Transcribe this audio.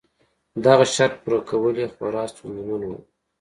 دغه شرط پوره کول یې خورا ستونزمن و.